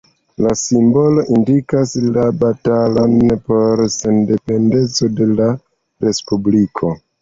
La simbolo indikas la batalon por sendependeco de la respubliko.